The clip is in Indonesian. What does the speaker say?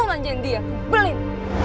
selalu manjain dia belin